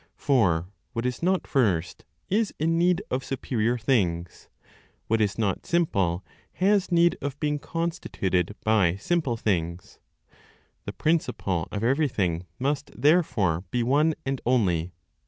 For what is not first, is in need of superior things; what is not simple has need of being constituted by simple things. The Principle of everything must therefore be one and only.